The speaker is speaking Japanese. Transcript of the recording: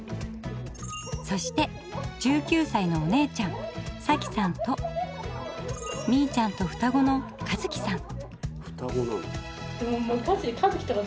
そして１９歳のお姉ちゃん早紀さんとみいちゃんと双子の一樹さん。